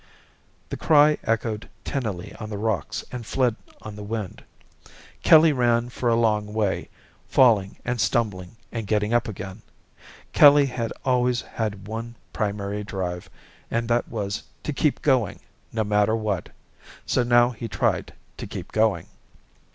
The cry echoed tinnily on the rocks and fled on the wind. Kelly ran for a long way, falling and stumbling and getting up again. Kelly had always had one primary drive, and that was to keep going, no matter what. So now he tried to keep going.